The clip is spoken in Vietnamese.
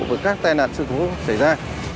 với các tai nạn sự thú xảy ra